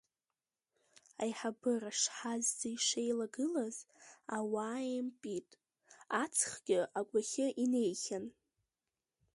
Аиҳабыра шҳазӡа ишеилагылаз, ауаа еимпит, аҵхгьы агәахьы инеихьан.